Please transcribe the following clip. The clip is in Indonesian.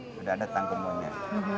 sudah ada tanggungannya